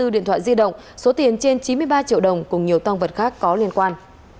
hai mươi điện thoại di động số tiền trên chín mươi ba triệu đồng cùng nhiều tăng vật khác có liên quan